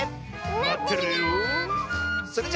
まってるよ！